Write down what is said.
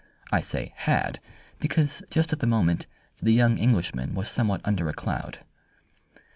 I say "had," because just at the moment the young Englishman was somewhat under a cloud.